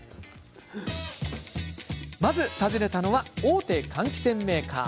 まず訪ねたのは大手換気扇メーカー。